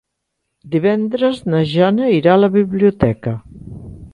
Divendres na Jana irà a la biblioteca.